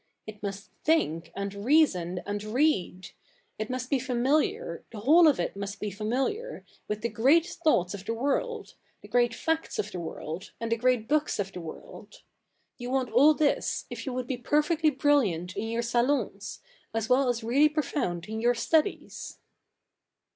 It must think, and reason, and read. It must be familiar — the whole of it must be familiar — with the great thoughts of the world, the great facts of the world, and the great books of the world. You want all this, if you would be perfectly brilliant in your sa/ons, as well as really profound in your studies.'